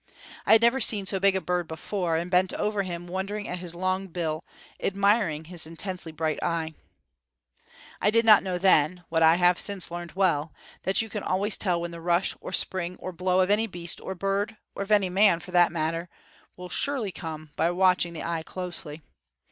I had never seen so big a bird before, and bent over him wondering at his long bill, admiring his intensely bright eye. I did not know then what I have since learned well that you can always tell when the rush or spring or blow of any beast or bird or of any man, for that matter will surely come by watching the eye closely.